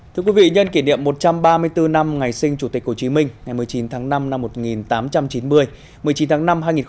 thưa quý vị nhân kỷ niệm một trăm ba mươi bốn năm ngày sinh chủ tịch hồ chí minh ngày một mươi chín tháng năm năm một nghìn tám trăm chín mươi một mươi chín tháng năm hai nghìn hai mươi bốn